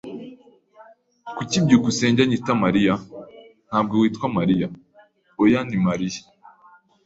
"Kuki byukusenge anyita Mariya?" "Ntabwo witwa Mariya?" "Oya, ni Mariya."